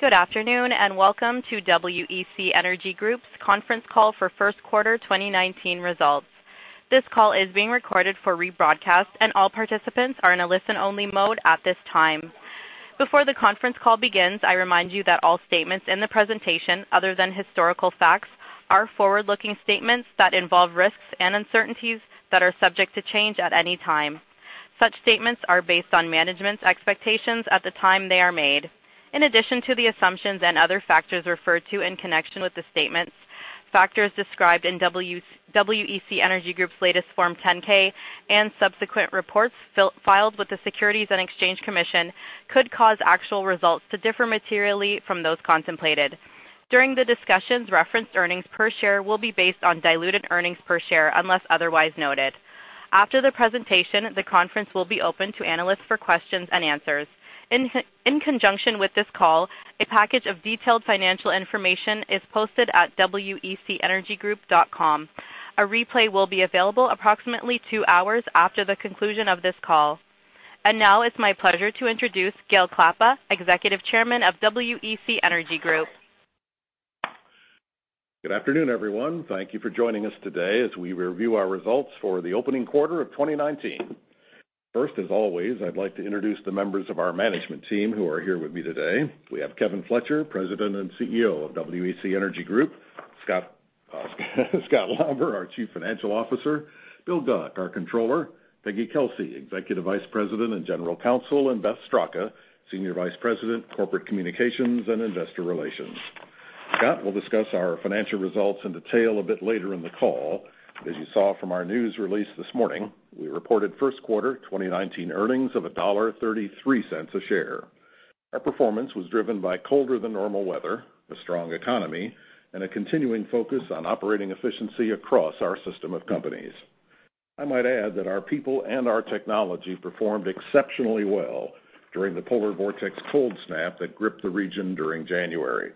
Good afternoon, and welcome to WEC Energy Group's conference call for first quarter 2019 results. This call is being recorded for rebroadcast, and all participants are in a listen-only mode at this time. Before the conference call begins, I remind you that all statements in the presentation, other than historical facts, are forward-looking statements that involve risks and uncertainties that are subject to change at any time. Such statements are based on management's expectations at the time they are made. In addition to the assumptions and other factors referred to in connection with the statements, factors described in WEC Energy Group's latest Form 10-K and subsequent reports filed with the Securities and Exchange Commission could cause actual results to differ materially from those contemplated. During the discussions, referenced earnings per share will be based on diluted earnings per share unless otherwise noted. After the presentation, the conference will be open to analysts for questions and answers. In conjunction with this call, a package of detailed financial information is posted at wecenergygroup.com. A replay will be available approximately two hours after the conclusion of this call. Now it's my pleasure to introduce Gale Klappa, Executive Chairman of WEC Energy Group. Good afternoon, everyone. Thank you for joining us today as we review our results for the opening quarter of 2019. First, as always, I'd like to introduce the members of our management team who are here with me today. We have Kevin Fletcher, President and CEO of WEC Energy Group, Scott Lauber, our Chief Financial Officer, Bill Guc, our Controller, Peggy Kelsey, Executive Vice President and General Counsel, and Beth Straka, Senior Vice President, Corporate Communications and Investor Relations. Scott will discuss our financial results in detail a bit later in the call. As you saw from our news release this morning, we reported first quarter 2019 earnings of $1.33 a share. Our performance was driven by colder than normal weather, a strong economy, and a continuing focus on operating efficiency across our system of companies. I might add that our people and our technology performed exceptionally well during the polar vortex cold snap that gripped the region during January.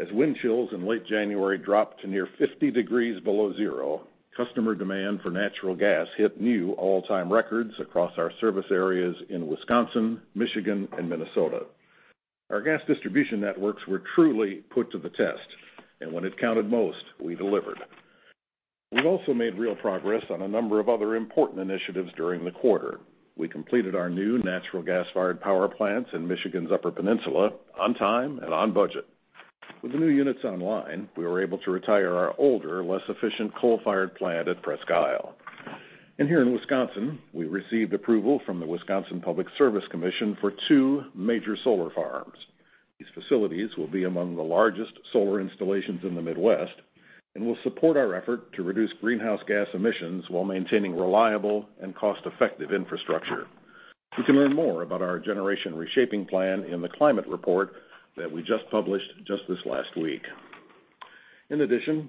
As wind chills in late January dropped to near 50 degrees below zero, customer demand for natural gas hit new all-time records across our service areas in Wisconsin, Michigan, and Minnesota. Our gas distribution networks were truly put to the test, when it counted most, we delivered. We've also made real progress on a number of other important initiatives during the quarter. We completed our new natural gas-fired power plants in Michigan's Upper Peninsula on time and on budget. With the new units online, we were able to retire our older, less efficient coal-fired plant at Presque Isle. Here in Wisconsin, we received approval from the Wisconsin Public Service Commission for two major solar farms. These facilities will be among the largest solar installations in the Midwest and will support our effort to reduce greenhouse gas emissions while maintaining reliable and cost-effective infrastructure. You can learn more about our generation reshaping plan in the climate report that we just published this last week.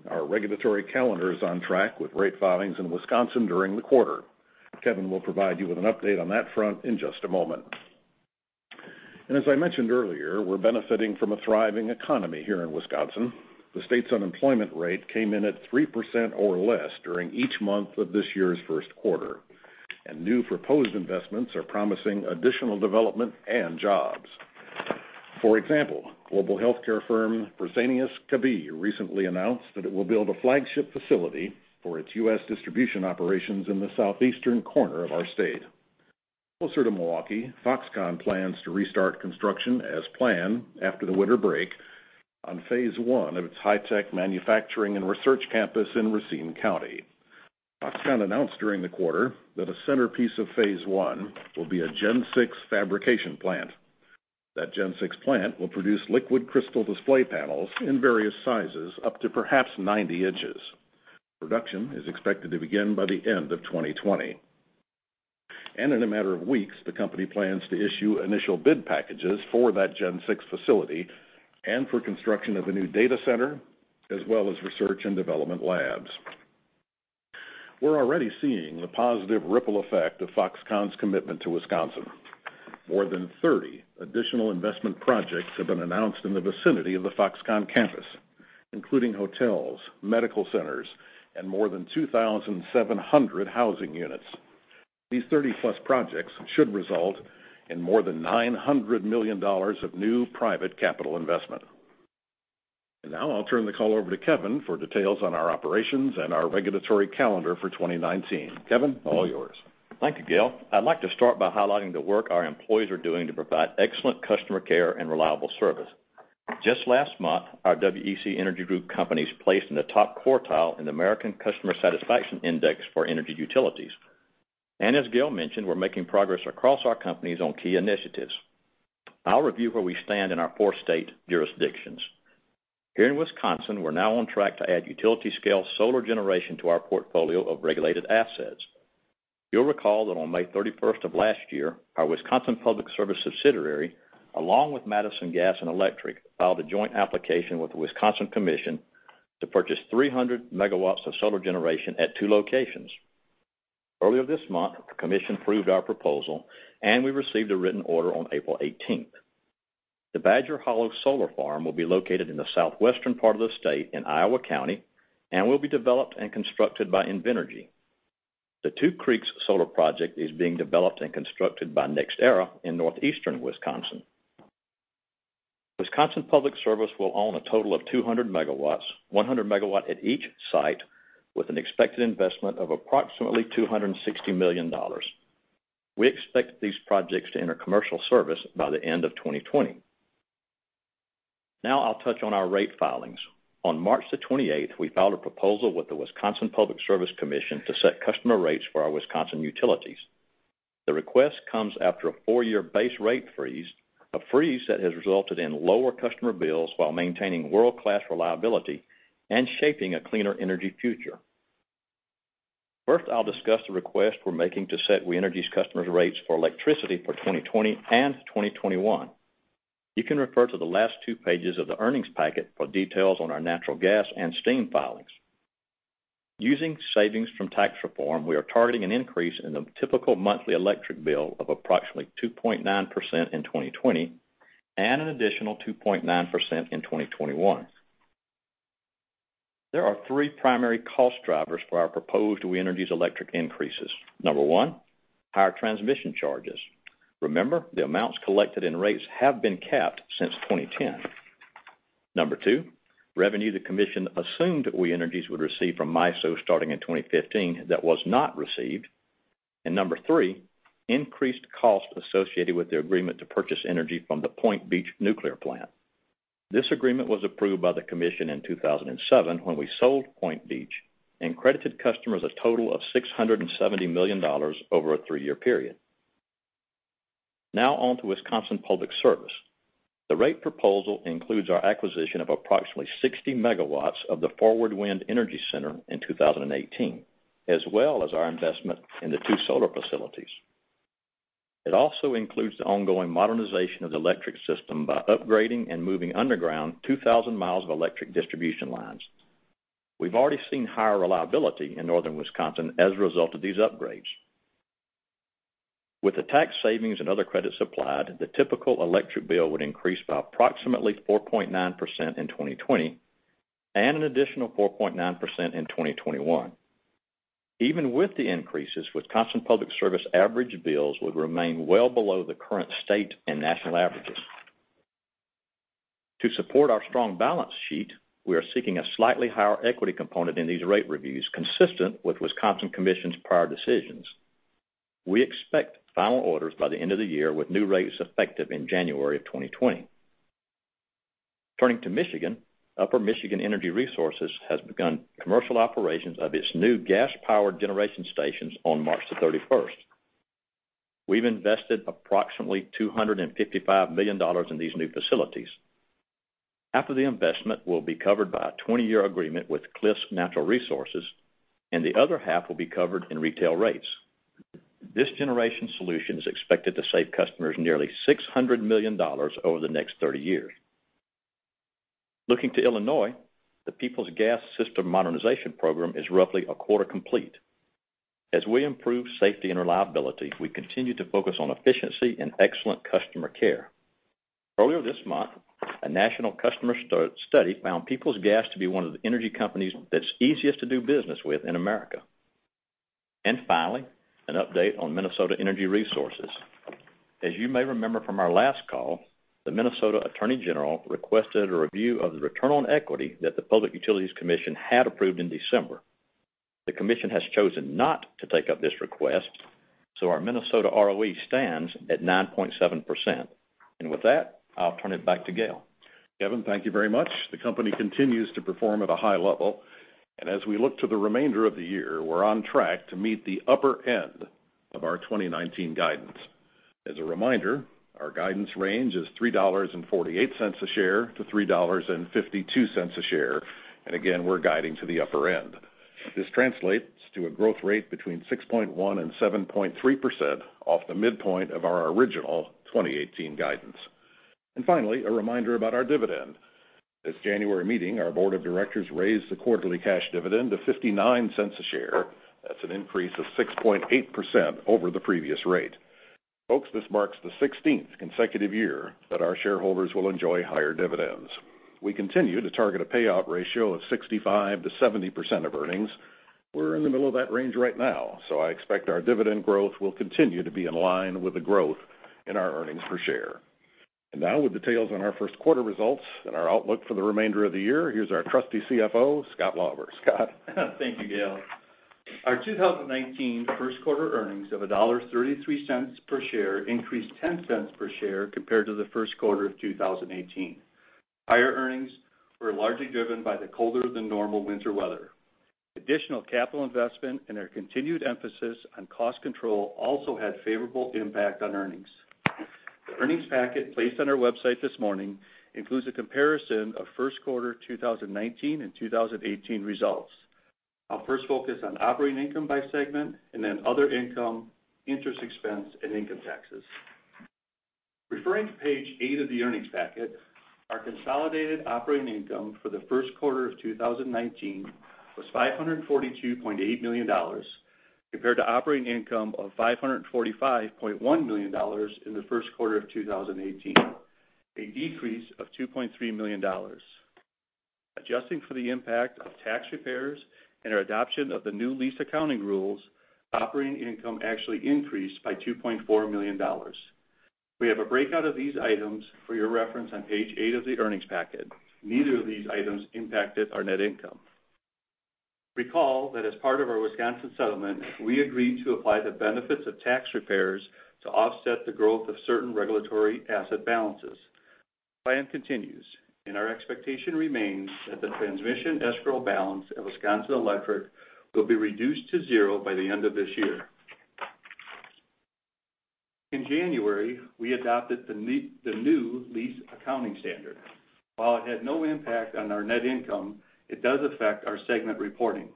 Our regulatory calendar is on track with rate filings in Wisconsin during the quarter. Kevin will provide you with an update on that front in just a moment. As I mentioned earlier, we're benefiting from a thriving economy here in Wisconsin. The state's unemployment rate came in at 3% or less during each month of this year's first quarter. New proposed investments are promising additional development and jobs. For example, global healthcare firm Fresenius Kabi recently announced that it will build a flagship facility for its U.S. distribution operations in the Southeastern corner of our state. Closer to Milwaukee, Foxconn plans to restart construction as planned after the winter break on phase I of its high-tech manufacturing and research campus in Racine County. Foxconn announced during the quarter that a centerpiece of phase I will be a Gen 6 fabrication plant. That Gen 6 plant will produce liquid crystal display panels in various sizes, up to perhaps 90 in. Production is expected to begin by the end of 2020. In a matter of weeks, the company plans to issue initial bid packages for that Gen 6 facility and for construction of a new data center, as well as research and development labs. We're already seeing the positive ripple effect of Foxconn's commitment to Wisconsin. More than 30 additional investment projects have been announced in the vicinity of the Foxconn campus, including hotels, medical centers, and more than 2,700 housing units. These 30+ projects should result in more than $900 million of new private capital investment. Now I'll turn the call over to Kevin for details on our operations and our regulatory calendar for 2019. Kevin, all yours. Thank you, Gale. I'd like to start by highlighting the work our employees are doing to provide excellent customer care and reliable service. Just last month, our WEC Energy Group companies placed in the top quartile in the American Customer Satisfaction Index for Energy Utilities. As Gale mentioned, we're making progress across our companies on key initiatives. I'll review where we stand in our four-state jurisdictions. Here in Wisconsin, we're now on track to add utility-scale solar generation to our portfolio of regulated assets. You'll recall that on May 31st of last year, our Wisconsin Public Service subsidiary, along with Madison Gas and Electric, filed a joint application with the Wisconsin Commission to purchase 300 MW of solar generation at two locations. Earlier this month, the commission approved our proposal. We received a written order on April 18th. The Badger Hollow Solar Farm will be located in the Southwestern part of the state in Iowa County and will be developed and constructed by Invenergy. The Two Creeks Solar Project is being developed and constructed by NextEra in Northeastern Wisconsin. Wisconsin Public Service will own a total of 200 MW, 100 MW at each site, with an expected investment of approximately $260 million. We expect these projects to enter commercial service by the end of 2020. I'll touch on our rate filings. On March 28th, we filed a proposal with the Wisconsin Public Service Commission to set customer rates for our Wisconsin utilities. The request comes after a four-year base rate freeze, a freeze that has resulted in lower customer bills while maintaining world-class reliability and shaping a cleaner energy future. First, I'll discuss the request we're making to set We Energies customers' rates for electricity for 2020 and 2021. You can refer to the last two pages of the earnings packet for details on our natural gas and steam filings. Using savings from tax reform, we are targeting an increase in the typical monthly electric bill of approximately 2.9% in 2020 and an additional 2.9% in 2021. There are three primary cost drivers for our proposed We Energies electric increases. Number one, higher transmission charges. Remember, the amounts collected in rates have been capped since 2010. Number two, revenue the commission assumed We Energies would receive from MISO starting in 2015 that was not received. Number three, increased cost associated with the agreement to purchase energy from the Point Beach nuclear plant. This agreement was approved by the commission in 2007 when we sold Point Beach and credited customers a total of $670 million over a three-year period. On to Wisconsin Public Service. The rate proposal includes our acquisition of approximately 60 MW of the Forward Wind Energy Center in 2018, as well as our investment in the two solar facilities. It also includes the ongoing modernization of the electric system by upgrading and moving underground 2,000 mi of electric distribution lines. We've already seen higher reliability in Northern Wisconsin as a result of these upgrades. With the tax savings and other credits applied, the typical electric bill would increase by approximately 4.9% in 2020 and an additional 4.9% in 2021. Even with the increases, Wisconsin Public Service average bills would remain well below the current state and national averages. To support our strong balance sheet, we are seeking a slightly higher equity component in these rate reviews, consistent with Wisconsin Commission's prior decisions. We expect final orders by the end of the year with new rates effective in January of 2020. Turning to Michigan. Upper Michigan Energy Resources has begun commercial operations of its new gas-powered generation stations on March 31st. We've invested approximately $255 million in these new facilities. Half of the investment will be covered by a 20-year agreement with Cliffs Natural Resources, the other half will be covered in retail rates. This generation solution is expected to save customers nearly $600 million over the next 30 years. Looking to Illinois, the Peoples Gas system modernization program is roughly a quarter complete. As we improve safety and reliability, we continue to focus on efficiency and excellent customer care. Earlier this month, a national customer study found Peoples Gas to be one of the energy companies that's easiest to do business with in America. Finally, an update on Minnesota Energy Resources. As you may remember from our last call, the Minnesota Attorney General requested a review of the return on equity that the Public Utilities Commission had approved in December. The commission has chosen not to take up this request, so our Minnesota ROE stands at 9.7%. With that, I'll turn it back to Gale. Kevin, thank you very much. The company continues to perform at a high level. As we look to the remainder of the year, we're on track to meet the upper end of our 2019 guidance. As a reminder, our guidance range is $3.48 a share to $3.52 a share. Again, we're guiding to the upper end. This translates to a growth rate between 6.1% and 7.3% off the midpoint of our original 2018 guidance. Finally, a reminder about our dividend. This January meeting, our board of directors raised the quarterly cash dividend to $0.59 a share. That's an increase of 6.8% over the previous rate. Folks, this marks the 16th consecutive year that our shareholders will enjoy higher dividends. We continue to target a payout ratio of 65%-70% of earnings. We're in the middle of that range right now, I expect our dividend growth will continue to be in line with the growth in our earnings per share. Now with details on our first quarter results and our outlook for the remainder of the year, here's our trusty CFO, Scott Lauber. Scott? Thank you, Gale. Our 2019 first quarter earnings of $1.33 per share increased $0.10 per share compared to the first quarter of 2018. Higher earnings were largely driven by the colder than normal winter weather. Additional capital investment and our continued emphasis on cost control also had favorable impact on earnings. The earnings packet placed on our website this morning includes a comparison of first quarter 2019 and 2018 results. I'll first focus on operating income by segment then other income, interest expense and income taxes. Referring to page eight of the earnings packet, our consolidated operating income for the first quarter of 2019 was $542.8 million, compared to operating income of $545.1 million in the first quarter of 2018, a decrease of $2.3 million. Adjusting for the impact of tax repairs and our adoption of the new lease accounting rules, operating income actually increased by $2.4 million. We have a breakout of these items for your reference on page eight of the earnings packet. Neither of these items impacted our net income. Recall that as part of our Wisconsin settlement, we agreed to apply the benefits of tax repairs to offset the growth of certain regulatory asset balances. Plan continues, and our expectation remains that the transmission escrow balance at Wisconsin Electric will be reduced to zero by the end of this year. In January, we adopted the new lease accounting standard. While it had no impact on our net income, it does affect our segment reporting.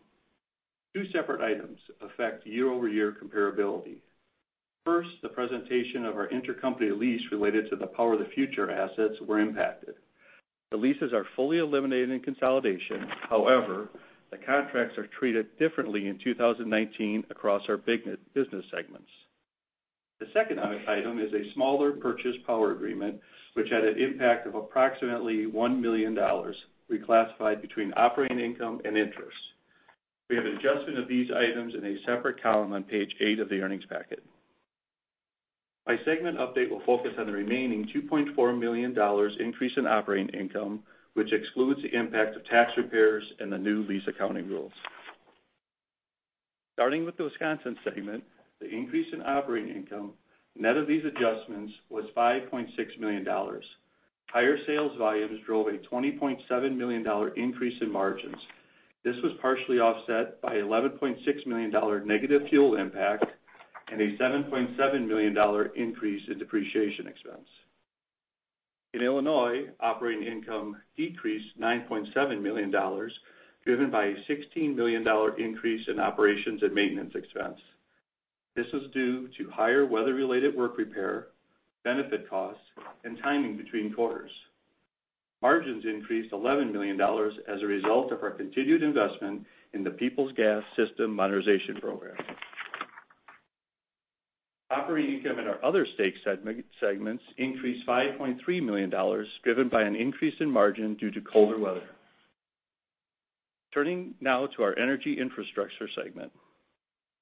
Two separate items affect year-over-year comparability. First, the presentation of our intercompany lease related to the Power of the Future assets were impacted. The leases are fully eliminated in consolidation. However, the contracts are treated differently in 2019 across our business segments. The second item is a smaller purchase power agreement, which had an impact of approximately $1 million, reclassified between operating income and interest. We have adjustment of these items in a separate column on page eight of the earnings packet. My segment update will focus on the remaining $2.4 million increase in operating income, which excludes the impact of tax repairs and the new lease accounting rules. Starting with the Wisconsin segment, the increase in operating income, net of these adjustments, was $5.6 million. Higher sales volumes drove a $20.7 million increase in margins. This was partially offset by $11.6 million negative fuel impact and a $7.7 million increase in depreciation expense. In Illinois, operating income decreased $9.7 million, driven by a $16 million increase in operations and maintenance expense. This was due to higher weather-related work repair, benefit costs, and timing between quarters. Margins increased $11 million as a result of our continued investment in the Peoples Gas System Modernization Program. Operating income in our other state segments increased $5.3 million, driven by an increase in margin due to colder weather. Turning now to our energy infrastructure segment.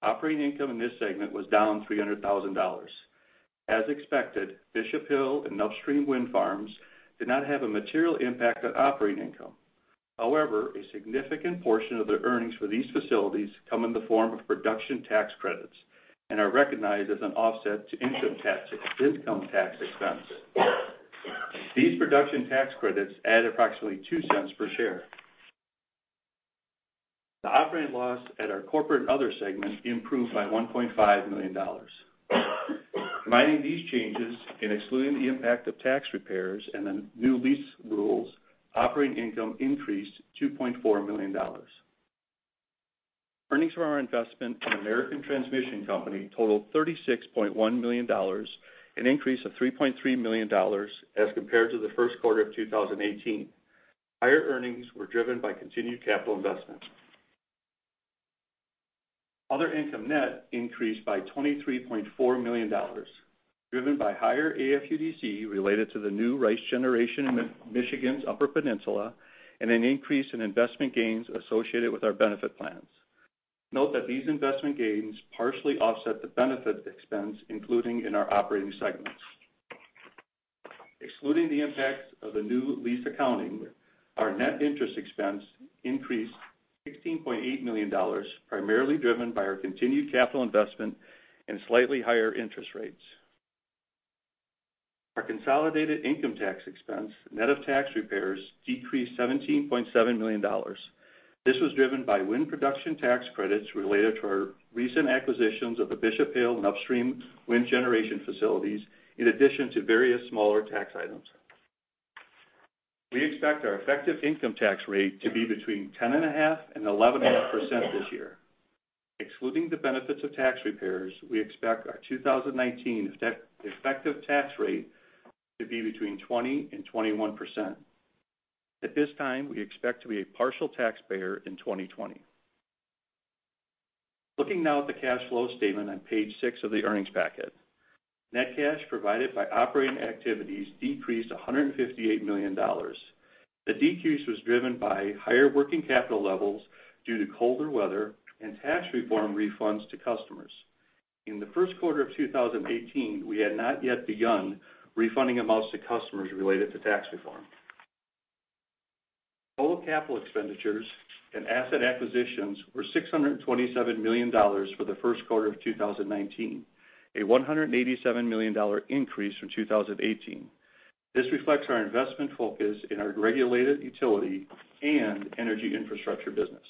Operating income in this segment was down $300,000. As expected, Bishop Hill and Upstream wind farms did not have a material impact on operating income. However, a significant portion of the earnings for these facilities come in the form of production tax credits and are recognized as an offset to income tax expense. These production tax credits add approximately $0.02 per share. The operating loss at our corporate and other segments improved by $1.5 million. Netting these changes and excluding the impact of tax repairs and the new lease rules, operating income increased $2.4 million. Earnings from our investment in American Transmission Company totaled $36.1 million, an increase of $3.3 million as compared to the first quarter of 2018. Higher earnings were driven by continued capital investment. Other income net increased by $23.4 million, driven by higher AFUDC related to the new RICE generation in Michigan's Upper Peninsula, and an increase in investment gains associated with our benefit plans. Note that these investment gains partially offset the benefit expense including in our operating segments. Excluding the impacts of the new lease accounting, our net interest expense increased to $16.8 million, primarily driven by our continued capital investment and slightly higher interest rates. Our consolidated income tax expense, net of tax repairs, decreased $17.7 million. This was driven by wind production tax credits related to our recent acquisitions of the Bishop Hill and Upstream wind generation facilities, in addition to various smaller tax items. We expect our effective income tax rate to be between 10.5% and 11.5% this year. Excluding the benefits of tax repairs, we expect our 2019 effective tax rate to be between 20% and 21%. At this time, we expect to be a partial taxpayer in 2020. Looking now at the cash flow statement on page six of the earnings packet. Net cash provided by operating activities decreased $158 million. The decrease was driven by higher working capital levels due to colder weather and tax reform refunds to customers. In the first quarter of 2018, we had not yet begun refunding amounts to customers related to tax reform. Total capital expenditures and asset acquisitions were $627 million for the first quarter of 2019, a $187 million increase from 2018. This reflects our investment focus in our regulated utility and energy infrastructure business.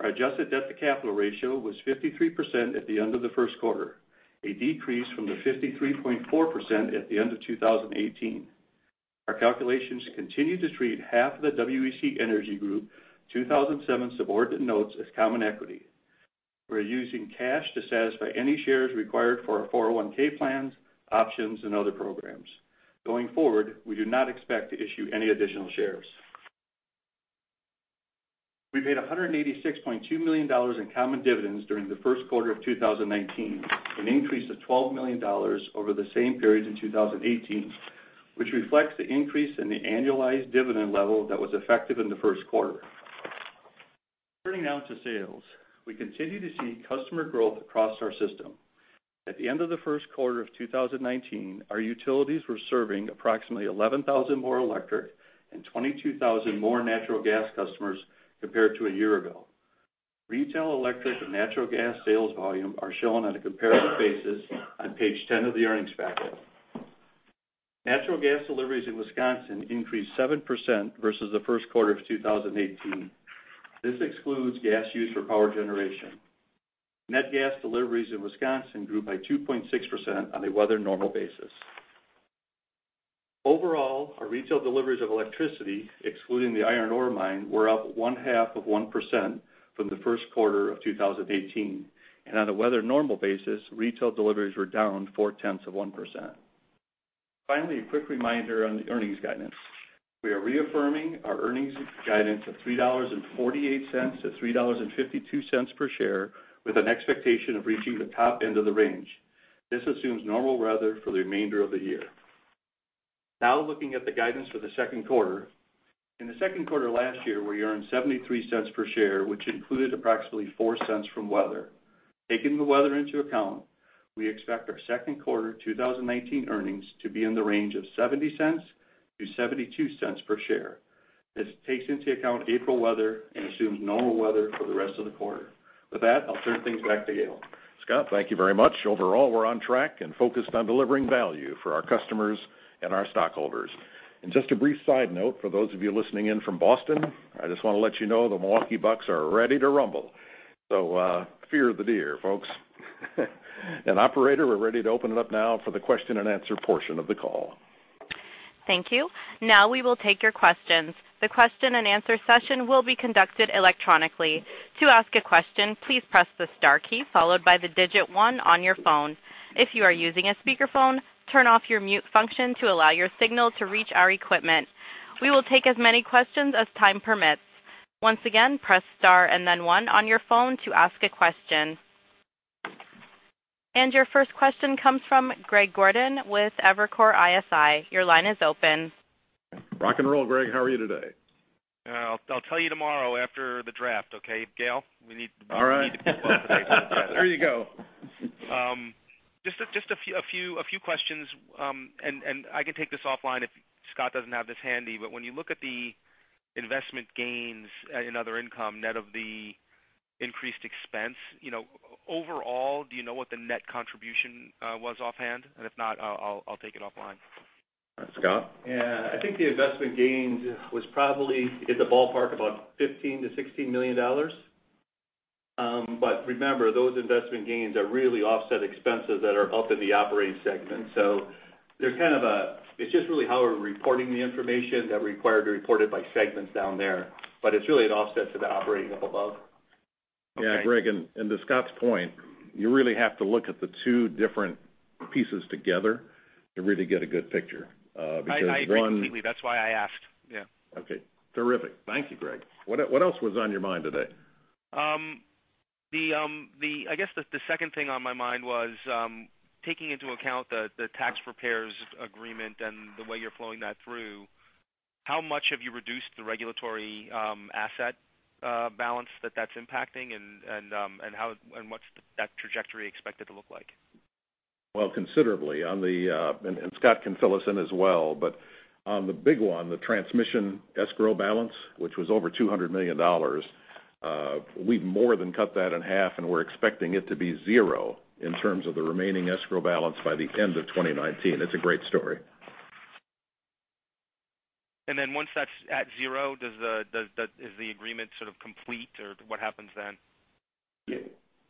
Our adjusted debt-to-capital ratio was 53% at the end of the first quarter, a decrease from the 53.4% at the end of 2018. Our calculations continue to treat half of the WEC Energy Group 2007 subordinate notes as common equity. We're using cash to satisfy any shares required for our 401(k) plans, options, and other programs. Going forward, we do not expect to issue any additional shares. We paid $186.2 million in common dividends during the first quarter of 2019, an increase of $12 million over the same period in 2018, which reflects the increase in the annualized dividend level that was effective in the first quarter. Turning now to sales. We continue to see customer growth across our system. At the end of the first quarter of 2019, our utilities were serving approximately 11,000 more electric and 22,000 more natural gas customers compared to a year ago. Retail electric and natural gas sales volume are shown on a comparative basis on page 10 of the earnings packet. Natural gas deliveries in Wisconsin increased 7% versus the first quarter of 2018. This excludes gas used for power generation. Net gas deliveries in Wisconsin grew by 2.6% on a weather normal basis. Overall, our retail deliveries of electricity, excluding the iron ore mine, were up 1/2 of 1% from the first quarter of 2018. On a weather normal basis, retail deliveries were down 4/10 of 1%. Finally, a quick reminder on the earnings guidance. We are reaffirming our earnings guidance of $3.48-$3.52 per share, with an expectation of reaching the top end of the range. This assumes normal weather for the remainder of the year. Now, looking at the guidance for the second quarter. In the second quarter last year, we earned $0.73 per share, which included approximately $0.04 from weather. Taking the weather into account, we expect our second quarter 2019 earnings to be in the range of $0.70-$0.72 per share. This takes into account April weather and assumes normal weather for the rest of the quarter. With that, I'll turn things back to Gale. Scott, thank you very much. Overall, we're on track and focused on delivering value for our customers and our stockholders. Just a brief side note for those of you listening in from Boston, I just want to let you know the Milwaukee Bucks are ready to rumble. Fear the deer, folks. Operator, we're ready to open it up now for the question-and-answer portion of the call. Thank you. Now we will take your questions. The question-and-answer session will be conducted electronically. To ask a question, please press the star key followed by the digit one on your phone. If you are using a speakerphone, turn off your mute function to allow your signal to reach our equipment. We will take as many questions as time permits. Once again, press star and then one on your phone to ask a question. Your first question comes from Greg Gordon with Evercore ISI. Your line is open. Rock and roll, Greg. How are you today? I'll tell you tomorrow after the draft, okay, Gale? All right. There you go. Just a few questions. I can take this offline if Scott doesn't have this handy. When you look at the investment gains in other income, net of the increased expense, overall, do you know what the net contribution was offhand? If not, I'll take it offline. Scott? Yeah. I think the investment gains was probably in the ballpark of about $15 million-$16 million. Remember, those investment gains are really offset expenses that are up in the operating segment. It's just really how we're reporting the information that required to report it by segments down there. It's really an offset to the operating up above. Okay. Yeah, Greg, to Scott's point, you really have to look at the two different pieces together to really get a good picture. I agree completely. That's why I asked. Yeah. Okay. Terrific. Thank you, Greg. What else was on your mind today? I guess the second thing on my mind was, taking into account the tax repairs agreement and the way you're flowing that through, how much have you reduced the regulatory asset balance that that's impacting and what's that trajectory expected to look like? Well, considerably on the, and Scott can fill us in as well, but on the big one, the transmission escrow balance, which was over $200 million, we've more than cut that in half, and we're expecting it to be zero in terms of the remaining escrow balance by the end of 2019. It's a great story. Once that's at zero, is the agreement sort of complete? Or what happens then?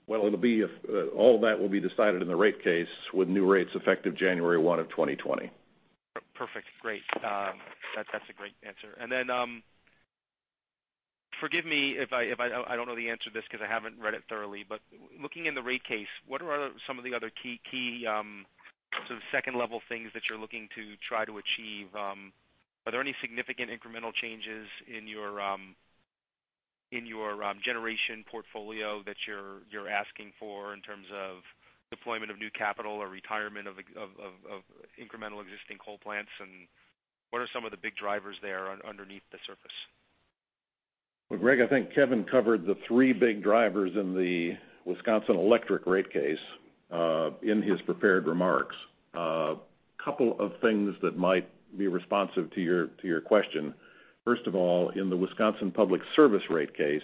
Well, all that will be decided in the rate case with new rates effective January 1 of 2020. Perfect. Great. That's a great answer. Then, forgive me if I don't know the answer to this because I haven't read it thoroughly, but looking in the rate case, what are some of the other key sort of second-level things that you're looking to try to achieve? Are there any significant incremental changes in your generation portfolio that you're asking for in terms of deployment of new capital or retirement of incremental existing coal plants? What are some of the big drivers there underneath the surface? Well, Greg, I think Kevin covered the three big drivers in the Wisconsin Electric rate case, in his prepared remarks. A couple of things that might be responsive to your question. First of all, in the Wisconsin Public Service rate case,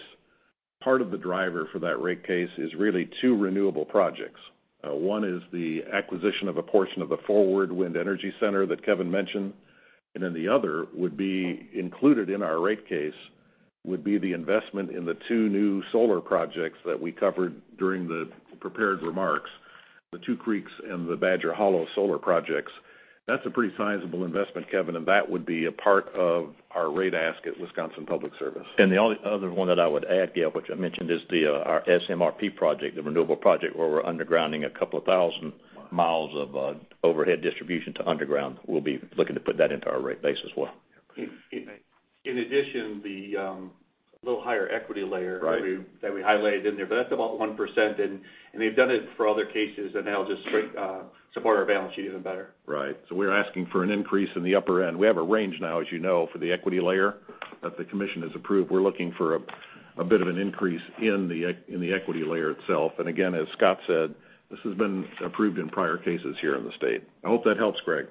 part of the driver for that rate case is really two renewable projects. One is the acquisition of a portion of the Forward Wind Energy Center that Kevin mentioned. Then the other would be included in our rate case, would be the investment in the two new solar projects that we covered during the prepared remarks, the Two Creeks and the Badger Hollow solar projects. That's a pretty sizable investment, Kevin, and that would be a part of our rate ask at Wisconsin Public Service. The only other one that I would add, Gale, which I mentioned, is our SMRP project, the renewable project where we're undergrounding a couple of thousand miles of overhead distribution to underground. We'll be looking to put that into our rate base as well. Okay. In addition, the little higher equity layer- Right That we highlighted in there, but that's about 1%, and they've done it for other cases, and that'll just support our balance sheet even better. Right. We're asking for an increase in the upper end. We have a range now, as you know, for the equity layer that the commission has approved. We're looking for a bit of an increase in the equity layer itself. Again, as Scott said, this has been approved in prior cases here in the state. I hope that helps, Greg.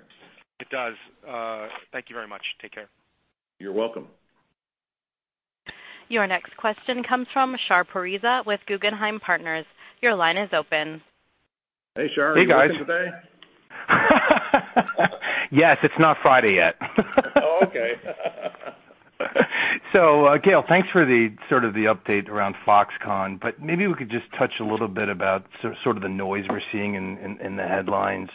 It does. Thank you very much. Take care. You're welcome. Your next question comes from Shar Pourreza with Guggenheim Partners. Your line is open. Hey, Shar. Hey, guys. Are you working today? Yes. It's not Friday yet. Oh, okay. Gale, thanks for the update around Foxconn, but maybe we could just touch a little bit about sort of the noise we're seeing in the headlines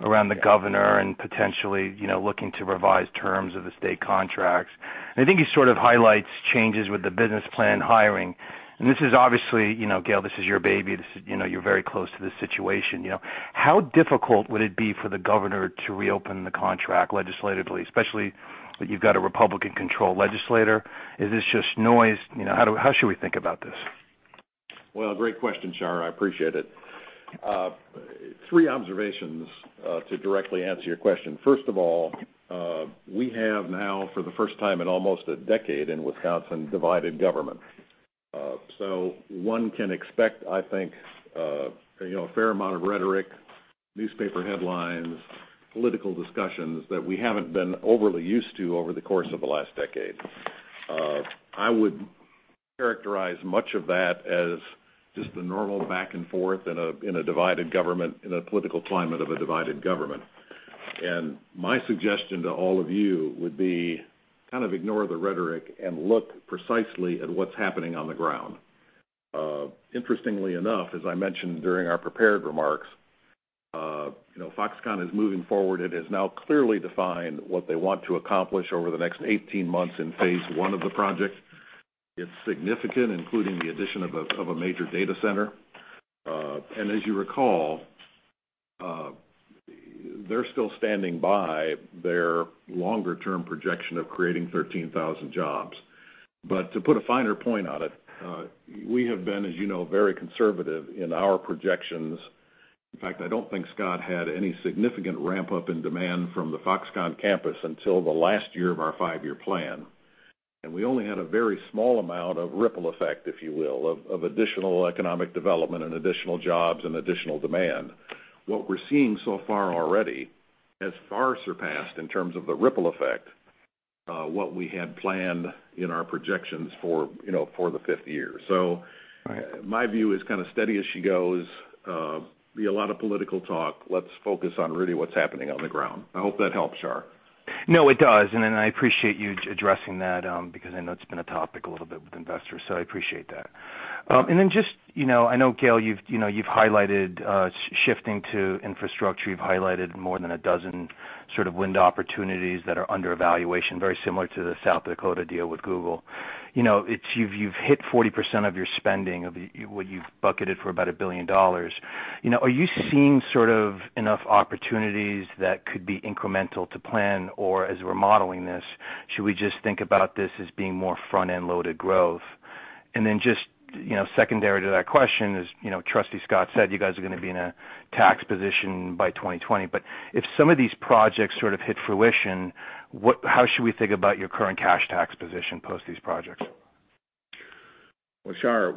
around the governor and potentially looking to revise terms of the state contracts. I think he sort of highlights changes with the business plan hiring. This is obviously, Gale, this is your baby. You're very close to this situation. How difficult would it be for the governor to reopen the contract legislatively, especially that you've got a Republican-controlled legislature? Is this just noise? How should we think about this? Great question, Shar. I appreciate it. Three observations to directly answer your question. First of all, we have now for the first time in almost a decade in Wisconsin, divided government. One can expect, I think, a fair amount of rhetoric, newspaper headlines, political discussions that we haven't been overly used to over the course of the last decade. I would characterize much of that as just the normal back and forth in a divided government, in a political climate of a divided government. My suggestion to all of you would be kind of ignore the rhetoric and look precisely at what's happening on the ground. Interestingly enough, as I mentioned during our prepared remarks, Foxconn is moving forward. It has now clearly defined what they want to accomplish over the next 18 months in phase I of the project. It's significant, including the addition of a major data center. As you recall, they're still standing by their longer-term projection of creating 13,000 jobs. To put a finer point on it, we have been, as you know, very conservative in our projections. In fact, I don't think Scott had any significant ramp-up in demand from the Foxconn campus until the last year of our five-year plan. We only had a very small amount of ripple effect, if you will, of additional economic development and additional jobs and additional demand. What we're seeing so far already has far surpassed, in terms of the ripple effect, what we had planned in our projections for the fifth year. Right. My view is kind of steady as she goes. Be a lot of political talk. Let's focus on really what's happening on the ground. I hope that helps, Shar. No, it does. I appreciate you addressing that, because I know it's been a topic a little bit with investors. I appreciate that. I know, Gale, you've highlighted shifting to infrastructure. You've highlighted more than a dozen sort of wind opportunities that are under evaluation, very similar to the South Dakota deal with Google. You've hit 40% of your spending of what you've bucketed for about $1 billion. Are you seeing sort of enough opportunities that could be incremental to plan? As we're modeling this, should we just think about this as being more front-end loaded growth? Secondary to that question is, Trustee Scott said you guys are going to be in a tax position by 2020. If some of these projects sort of hit fruition, how should we think about your current cash tax position post these projects? Well, Shar,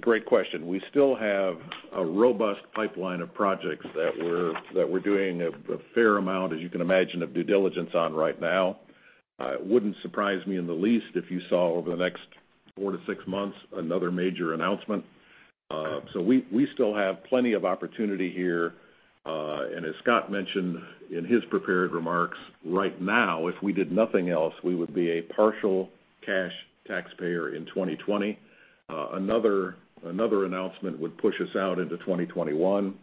great question. We still have a robust pipeline of projects that we're doing a fair amount, as you can imagine, of due diligence on right now. It wouldn't surprise me in the least if you saw over the next four to six months another major announcement. We still have plenty of opportunity here. As Scott mentioned in his prepared remarks, right now, if we did nothing else, we would be a partial cash taxpayer in 2020. Another announcement would push us out into 2021.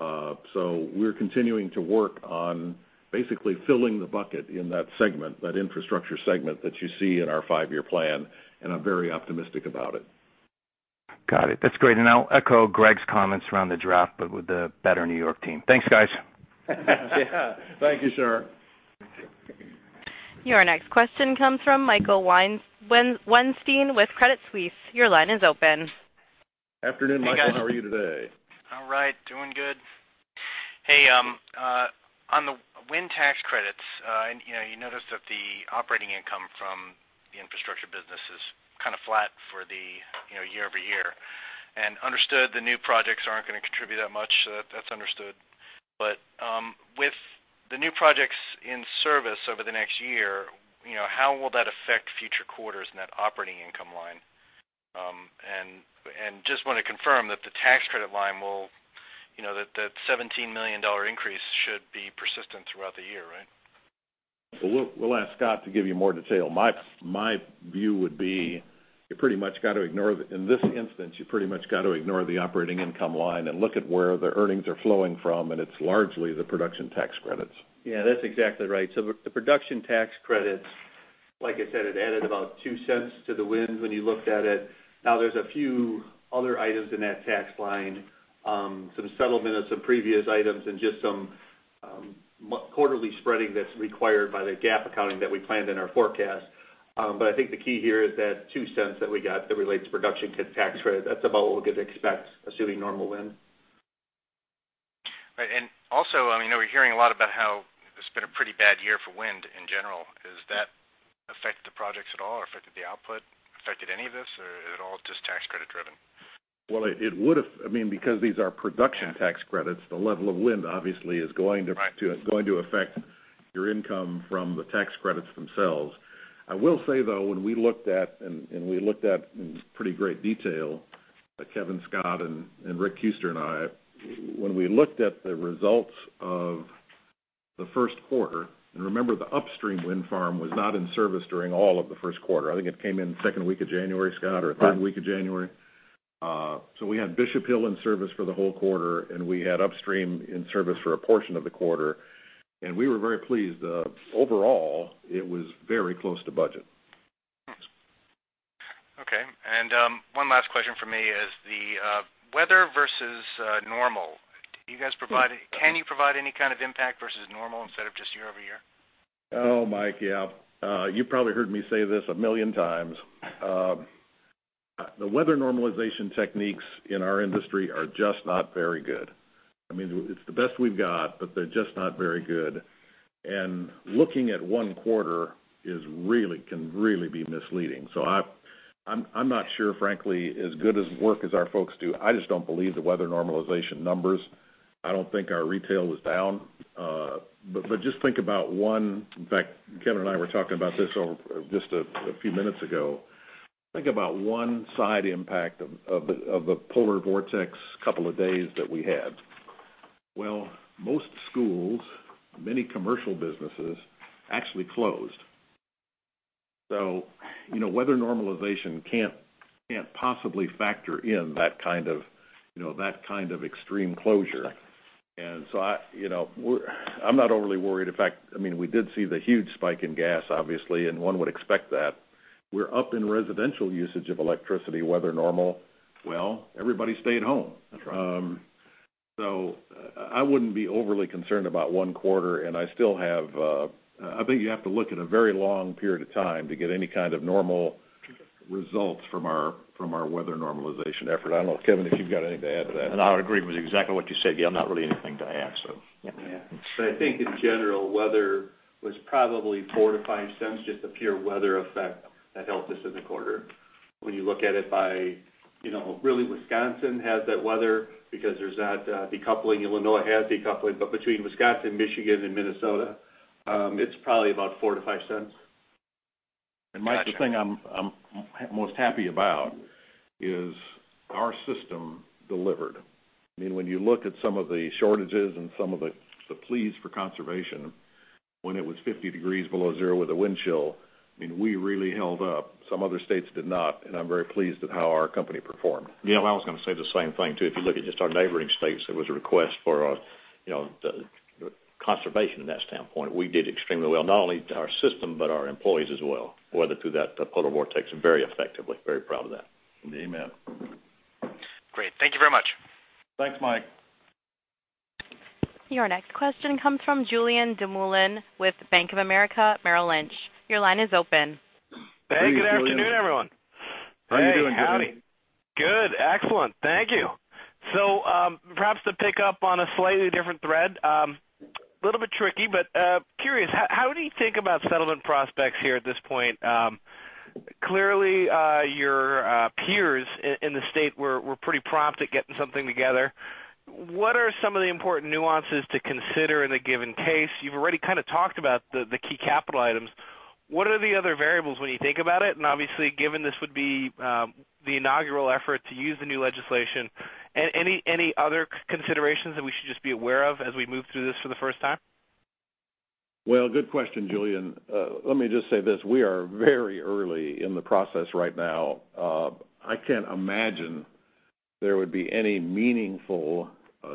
We're continuing to work on basically filling the bucket in that segment, that infrastructure segment that you see in our five-year plan, and I'm very optimistic about it. Got it. That's great. I'll echo Greg's comments around the draft, with the better New York team. Thanks, guys. Thank you, Shar. Your next question comes from Michael Weinstein with Credit Suisse. Your line is open. Afternoon, Michael. Hey, guys. How are you today? All right. Doing good. On the wind tax credits, you notice that the operating income from the infrastructure business is kind of flat for the year-over-year. Understood the new projects aren't going to contribute that much. That's understood. With the new projects in service over the next year, how will that affect future quarters net operating income line? Just want to confirm that the tax credit line, that $17 million increase should be persistent throughout the year, right? We'll ask Scott to give you more detail. My view would be, in this instance, you pretty much got to ignore the operating income line and look at where the earnings are flowing from, and it's largely the production tax credits. That's exactly right. The production tax credits, like I said, it added about $0.02 to the wind when you looked at it. There's a few other items in that tax line. Some settlement of some previous items and just some quarterly spreading that's required by the GAAP accounting that we planned in our forecast. I think the key here is that $0.02 that we got that relates to production tax credit. That's about what we could expect assuming normal wind. Right. Also, we're hearing a lot about how it's been a pretty bad year for wind in general. Has that affected the projects at all, or affected the output? Affected any of this, or is it all just tax credit driven? Well, because these are production tax credits, the level of wind obviously is- Right. Going to affect your income from the tax credits themselves. I will say, though, when we looked at, and we looked at in pretty great detail, Kevin, Scott, and Rick Kuester and I. When we looked at the results of the first quarter, and remember, the Upstream wind farm was not in service during all of the first quarter. I think it came in the second week of January, Scott, or third week of January. We had Bishop Hill in service for the whole quarter, and we had Upstream in service for a portion of the quarter, and we were very pleased. Overall, it was very close to budget. Okay. One last question from me is the weather versus normal. Can you provide any kind of impact versus normal instead of just year-over-year? Oh, Mike, yeah. You've probably heard me say this a million times. The weather normalization techniques in our industry are just not very good. It's the best we've got, but they're just not very good. Looking at one quarter can really be misleading. I'm not sure, frankly, as good as work as our folks do, I just don't believe the weather normalization numbers. I don't think our retail was down. Just think about one, in fact, Kevin and I were talking about this just a few minutes ago. Think about one side impact of a polar vortex couple of days that we had. Well, most schools, many commercial businesses, actually closed. Weather normalization can't possibly factor in that kind of extreme closure. Right. I'm not overly worried. In fact, we did see the huge spike in gas, obviously, and one would expect that. We're up in residential usage of electricity, weather normal. Well, everybody stayed home. That's right. I wouldn't be overly concerned about one quarter, and I think you have to look at a very long period of time to get any kind of normal results from our weather normalization effort. I don't know, Kevin, if you've got anything to add to that. I would agree with exactly what you said. Not really anything to add. Yep. I think in general, weather was probably $0.04-$0.05, just the pure weather effect that helped us in the quarter. When you look at it by really Wisconsin had that weather because there's that decoupling. Illinois had decoupling. Between Wisconsin, Michigan, and Minnesota, it's probably about $0.04-$0.05. Mike, the thing I'm most happy about is our system delivered. When you look at some of the shortages and some of the pleas for conservation when it was 50 degrees below zero with the wind chill, we really held up. Some other states did not, and I'm very pleased at how our company performed. I was going to say the same thing, too. If you look at just our neighboring states, there was a request for the conservation from that standpoint. We did extremely well, not only to our system, but our employees as well. Weathered through that Polar Vortex very effectively. Very proud of that. Amen. Great. Thank you very much. Thanks, Mike. Your next question comes from Julien Dumoulin with Bank of America Merrill Lynch. Your line is open. Thanks, Julien. Hey, good afternoon, everyone. How you doing, Julien? Good. Excellent. Thank you. Perhaps to pick up on a slightly different thread, a little bit tricky, but curious, how do you think about settlement prospects here at this point? Clearly, your peers in the state were pretty prompt at getting something together. What are some of the important nuances to consider in a given case? You've already kind of talked about the key capital items. What are the other variables when you think about it? Obviously, given this would be the inaugural effort to use the new legislation, any other considerations that we should just be aware of as we move through this for the first time? Well, good question, Julien. Let me just say this. We are very early in the process right now. I can't imagine there would be any meaningful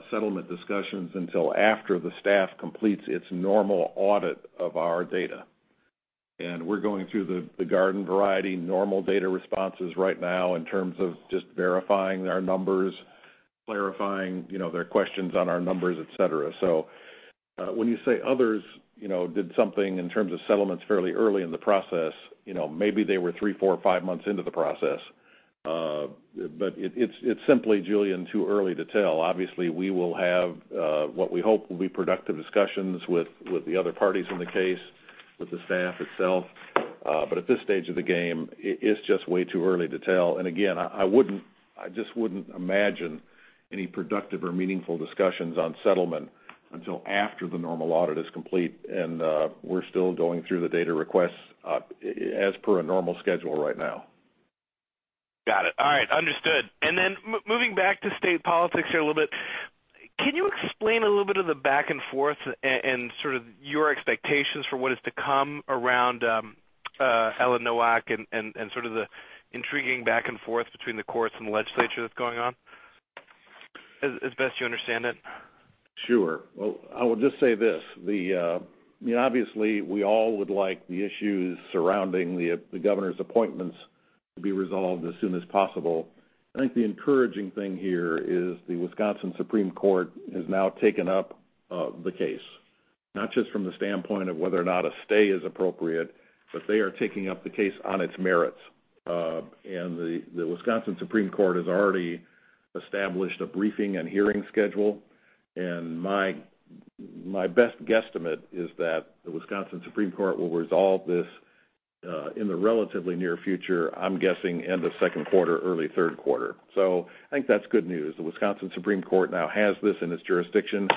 settlement discussions until after the staff completes its normal audit of our data. We're going through the garden variety normal data responses right now in terms of just verifying their numbers, clarifying their questions on our numbers, et cetera. When you say others did something in terms of settlements fairly early in the process, maybe they were three, four, or five months into the process. It's simply, Julien, too early to tell. Obviously, we will have what we hope will be productive discussions with the other parties in the case, with the staff itself. At this stage of the game, it's just way too early to tell. Again, I just wouldn't imagine any productive or meaningful discussions on settlement until after the normal audit is complete. We're still going through the data requests as per a normal schedule right now. Got it. All right. Understood. Moving back to state politics here a little bit. Can you explain a little bit of the back and forth and sort of your expectations for what is to come around Ellen Nowak and sort of the intriguing back and forth between the courts and the legislature that's going on, as best you understand it? Sure. Well, I will just say this. Obviously, we all would like the issues surrounding the governor's appointments to be resolved as soon as possible. I think the encouraging thing here is the Wisconsin Supreme Court has now taken up the case, not just from the standpoint of whether or not a stay is appropriate, but they are taking up the case on its merits. The Wisconsin Supreme Court has already established a briefing and hearing schedule, and my best guesstimate is that the Wisconsin Supreme Court will resolve this in the relatively near future, I'm guessing end of second quarter, early third quarter. I think that's good news. The Wisconsin Supreme Court now has this in its jurisdiction,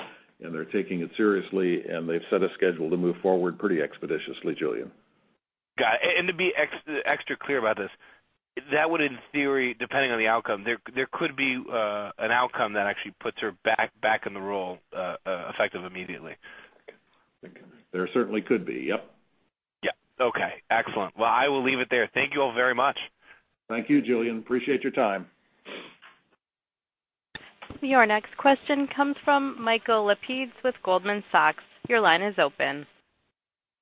and they're taking it seriously, and they've set a schedule to move forward pretty expeditiously, Julien. Got it. To be extra clear about this, that would in theory, depending on the outcome, there could be an outcome that actually puts her back in the role, effective immediately. There certainly could be. Yep. Yeah. Okay, excellent. Well, I will leave it there. Thank you all very much. Thank you, Julien. Appreciate your time. Your next question comes from Michael Lapides with Goldman Sachs. Your line is open.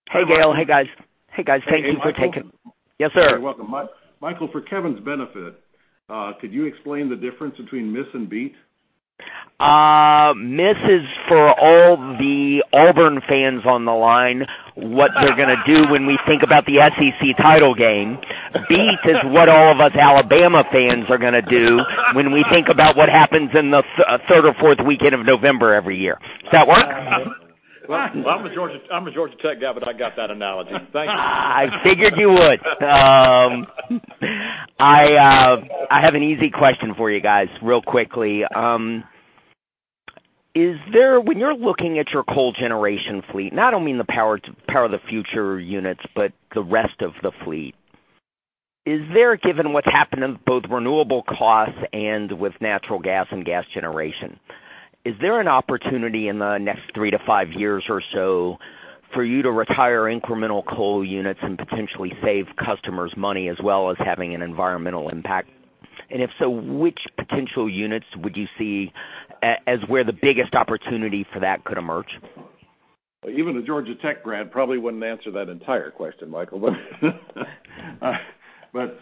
Hey, Gale. Hey, guys. Hey, guys. Thank you for taking. Hey, Michael. Yes, sir. You're welcome. Michael, for Kevin's benefit, could you explain the difference between miss and beat? Miss is for all the Auburn fans on the line, what they're going to do when we think about the SEC title game. Beat is what all of us Alabama fans are going to do when we think about what happens in the third or fourth weekend of November every year. Does that work? Well, I'm a Georgia Tech guy. I got that analogy. Thank you. I figured you would. I have an easy question for you guys, real quickly. When you're looking at your coal generation fleet, and I don't mean the Power the Future units, but the rest of the fleet, is there, given what's happened in both renewable costs and with natural gas and gas generation, is there an opportunity in the next three to five years or so for you to retire incremental coal units and potentially save customers money as well as having an environmental impact? If so, which potential units would you see as where the biggest opportunity for that could emerge? Even a Georgia Tech grad probably wouldn't answer that entire question, Michael.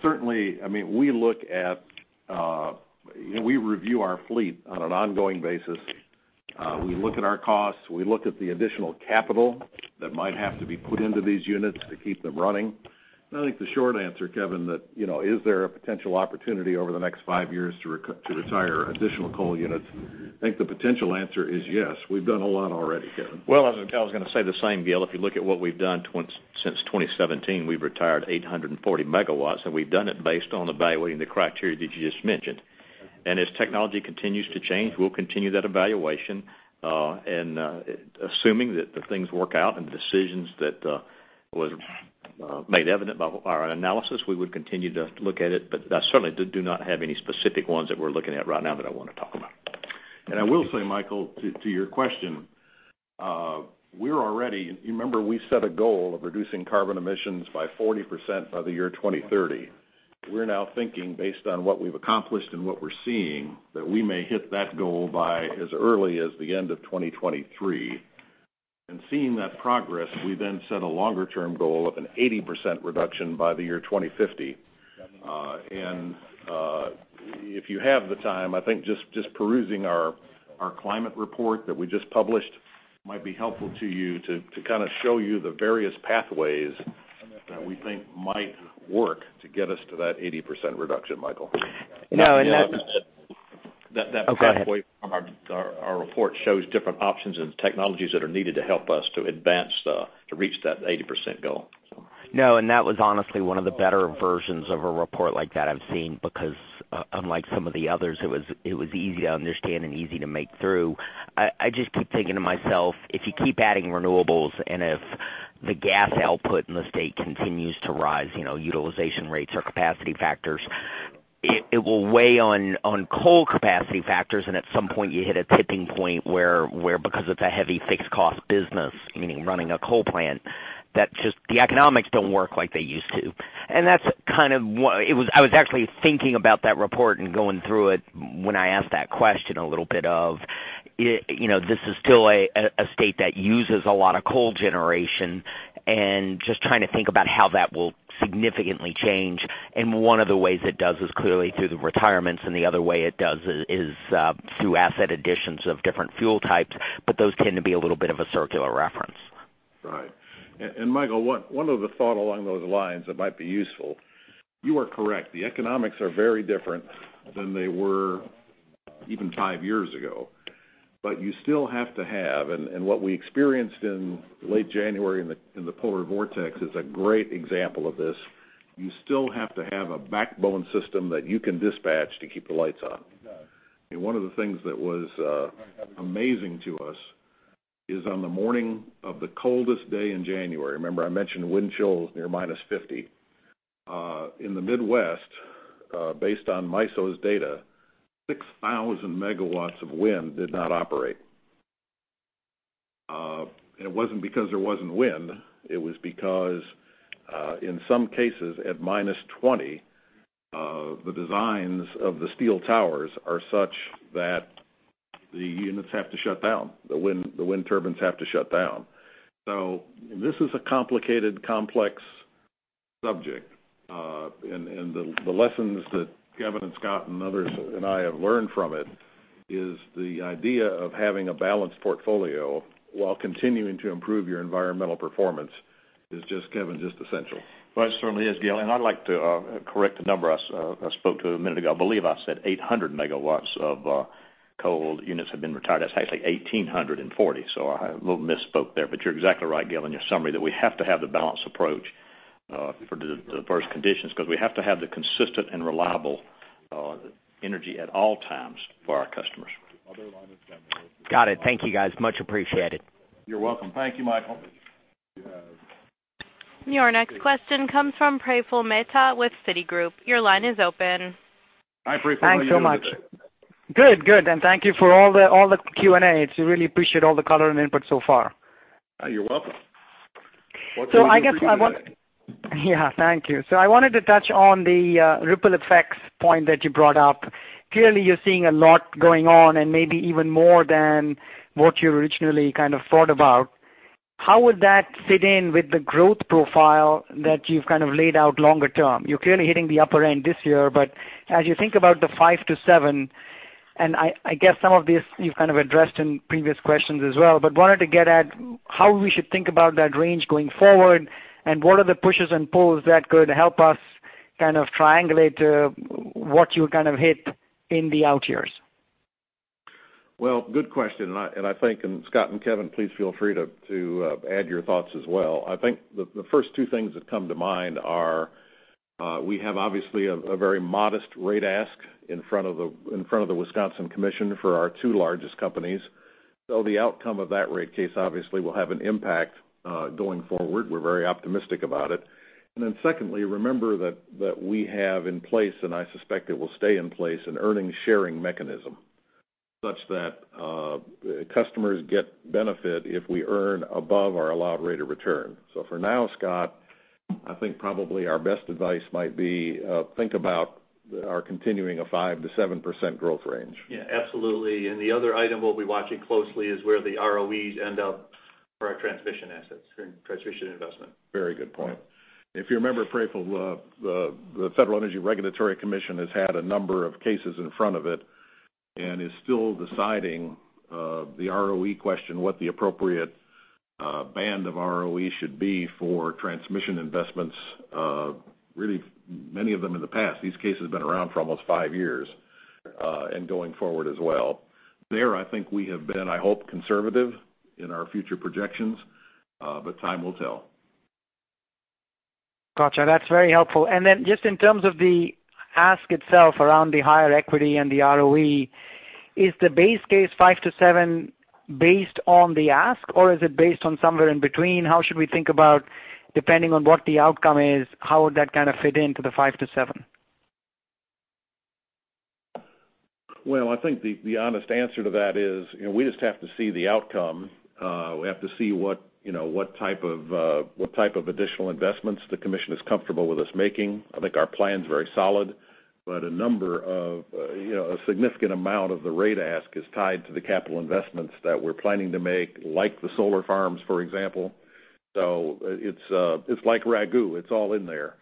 Certainly, we review our fleet on an ongoing basis. We look at our costs. We look at the additional capital that might have to be put into these units to keep them running. I think the short answer, Kevin, that is there a potential opportunity over the next five years to retire additional coal units? I think the potential answer is yes. We've done a lot already, Kevin. Well, as I was going to say the same, Gale, if you look at what we've done since 2017, we've retired 840 MW, and we've done it based on evaluating the criteria that you just mentioned. As technology continues to change, we'll continue that evaluation. Assuming that the things work out and the decisions that was made evident by our analysis, we would continue to look at it. I certainly do not have any specific ones that we're looking at right now that I want to talk about. I will say, Michael, to your question, you remember we set a goal of reducing carbon emissions by 40% by the year 2030. We're now thinking based on what we've accomplished and what we're seeing, that we may hit that goal by as early as the end of 2023. Seeing that progress, we then set a longer-term goal of an 80% reduction by the year 2050. If you have the time, I think just perusing our climate report that we just published might be helpful to you to kind of show you the various pathways that we think might work to get us to that 80% reduction, Michael. No. That pathway from our report shows different options and technologies that are needed to help us to advance to reach that 80% goal. No, that was honestly one of the better versions of a report like that I've seen because, unlike some of the others, it was easy to understand and easy to make through. I just keep thinking to myself, if you keep adding renewables, and if the gas output in the state continues to rise, utilization rates or capacity factors, it will weigh on coal capacity factors, and at some point, you hit a tipping point where because it's a heavy fixed cost business, meaning running a coal plant, the economics don't work like they used to. I was actually thinking about that report and going through it when I asked that question a little bit of, this is still a state that uses a lot of coal generation and just trying to think about how that will significantly change, and one of the ways it does is clearly through the retirements, and the other way it does is through asset additions of different fuel types, but those tend to be a little bit of a circular reference. Right. Michael, one other thought along those lines that might be useful. You are correct. The economics are very different than they were even five years ago. You still have to have, what we experienced in late January in the polar vortex is a great example of this. You still have to have a backbone system that you can dispatch to keep the lights on. You do. One of the things that was amazing to us is on the morning of the coldest day in January, remember I mentioned wind chills near -50, in the Midwest, based on MISO's data, 6,000 MW of wind did not operate. It wasn't because there wasn't wind. It was because, in some cases, at -20, the designs of the steel towers are such that the units have to shut down. The wind turbines have to shut down. This is a complicated, complex subject. The lessons that Kevin and Scott and others and I have learned from it is the idea of having a balanced portfolio while continuing to improve your environmental performance is, Kevin, just essential. It certainly is, Gale, I'd like to correct a number I spoke to a minute ago. I believe I said 800 MW of coal units have been retired. That's actually 1,840 MW. I little misspoke there, but you're exactly right, Gale, in your summary, that we have to have the balanced approach for the diverse conditions because we have to have the consistent and reliable energy at all times for our customers. The other line has gone. Got it. Thank you, guys. Much appreciated. You're welcome. Thank you, Michael. Your next question comes from Praful Mehta with Citigroup. Your line is open. Hi, Praful. How are you doing today? Thanks so much. Good. Thank you for all the Q&A. Really appreciate all the color and input so far. You're welcome. What's on your pretty mind? Thank you. I wanted to touch on the ripple effects point that you brought up. Clearly, you're seeing a lot going on and maybe even more than what you originally kind of thought about. How would that fit in with the growth profile that you've kind of laid out longer-term? You're clearly hitting the upper end this year, but as you think about the 5%-7%, I guess some of this you've kind of addressed in previous questions as well, but wanted to get at how we should think about that range going forward, and what are the pushes and pulls that could help us kind of triangulate what you kind of hit in the out years? Well, good question. I think, Scott and Kevin, please feel free to add your thoughts as well. I think the first two things that come to mind are, we have obviously a very modest rate ask in front of the Wisconsin Commission for our two largest companies. The outcome of that rate case obviously will have an impact going forward. We're very optimistic about it. Secondly, remember that we have in place, and I suspect it will stay in place, an earnings sharing mechanism such that customers get benefit if we earn above our allowed rate of return. For now, Scott, I think probably our best advice might be, think about our continuing a 5%-7% growth range. Yeah. Absolutely. The other item we'll be watching closely is where the ROEs end up for our transmission assets and transmission investment. Very good point. If you remember, Praful, the Federal Energy Regulatory Commission has had a number of cases in front of it and is still deciding the ROE question, what the appropriate band of ROE should be for transmission investments, really many of them in the past. These cases have been around for almost five years, and going forward as well. I think we have been, I hope, conservative in our future projections, but time will tell. Gotcha. That's very helpful. Just in terms of the ask itself around the higher equity and the ROE, is the base case five to seven based on the ask, or is it based on somewhere in between? How should we think about, depending on what the outcome is, how would that kind of fit into the five to seven? Well, I think the honest answer to that is, we just have to see the outcome. We have to see what type of additional investments the commission is comfortable with us making. I think our plan's very solid, but a significant amount of the rate ask is tied to the capital investments that we're planning to make, like the solar farms, for example. It's like Ragú. It's all in there.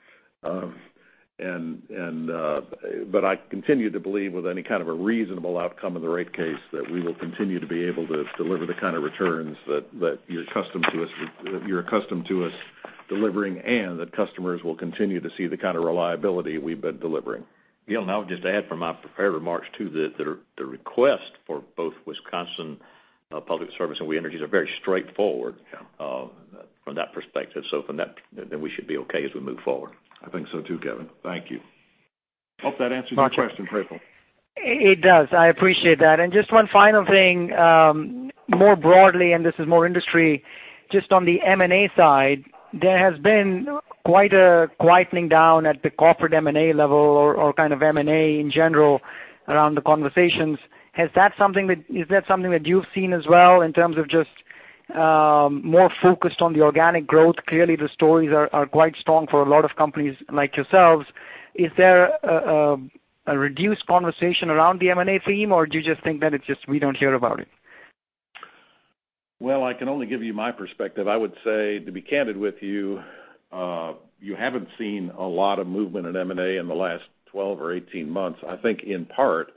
I continue to believe with any kind of a reasonable outcome of the rate case, that we will continue to be able to deliver the kind of returns that you're accustomed to us delivering, and that customers will continue to see the kind of reliability we've been delivering. Gale, I'll just add from my prepared remarks too, that the request for both Wisconsin Public Service and We Energies are very straightforward. Yeah. From that perspective. From that, we should be okay as we move forward. I think so too, Kevin. Thank you. Hope that answers your question, Praful. It does. I appreciate that. Just one final thing, more broadly, this is more industry, just on the M&A side, there has been quite a quietening down at the corporate M&A level or kind of M&A in general around the conversations. Is that something that you've seen as well in terms of just more focused on the organic growth? Clearly, the stories are quite strong for a lot of companies like yourselves. Is there a reduced conversation around the M&A theme, or do you just think that it's just we don't hear about it? I can only give you my perspective. I would say, to be candid with you haven't seen a lot of movement in M&A in the last 12 or 18 months, I think in part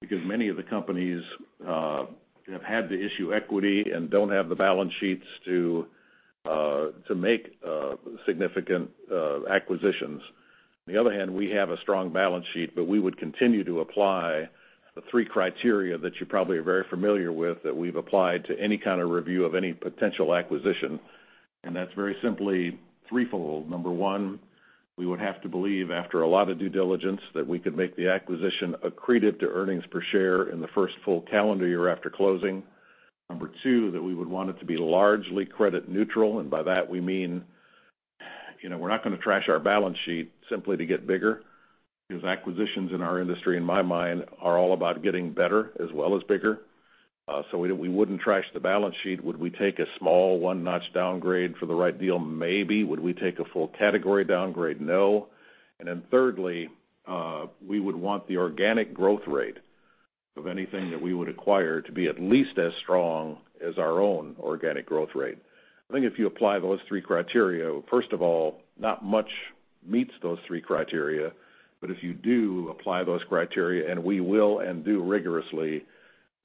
because many of the companies have had to issue equity and don't have the balance sheets to make significant acquisitions. On the other hand, we have a strong balance sheet, we would continue to apply the three criteria that you probably are very familiar with, that we've applied to any kind of review of any potential acquisition, that's very simply threefold. Number one, we would have to believe after a lot of due diligence that we could make the acquisition accretive to earnings per share in the first full calendar year after closing. Number two, that we would want it to be largely credit neutral. By that we mean we're not going to trash our balance sheet simply to get bigger, because acquisitions in our industry, in my mind, are all about getting better as well as bigger. We wouldn't trash the balance sheet. Would we take a small one-notch downgrade for the right deal? Maybe. Would we take a full category downgrade? No. Thirdly, we would want the organic growth rate of anything that we would acquire to be at least as strong as our own organic growth rate. I think if you apply those three criteria, first of all, not much meets those three criteria. If you do apply those criteria, and we will and do rigorously,